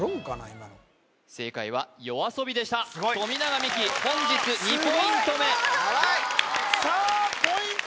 今の正解はＹＯＡＳＯＢＩでした富永美樹本日２ポイント目さあポイント